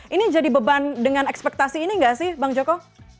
ini jadi beban dengan ekspektasi ini nggak sih bang joko